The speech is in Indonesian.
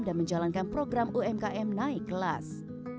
dan menjalankan program umkm naik kelas